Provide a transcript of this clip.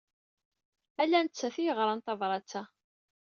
Ala nettat ay yeɣran tabṛat-a.